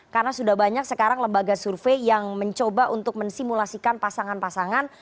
karena sudah banyak sekarang lembaga survei yang mencoba untuk mensimulasikan pasangan pasangan